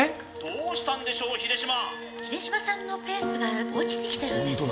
どうしたんでしょう秀島秀島さんのペースが落ちてきてるんですね